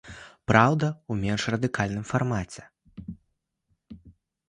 Праўда, у менш радыкальным фармаце.